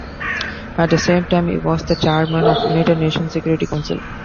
At the same time, he was the chairman of United Nations Security Council.